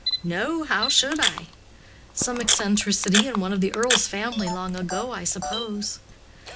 "No; how should I? Some eccentricity in one of the Earl's family long ago, I suppose."